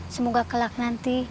semoga kelak nanti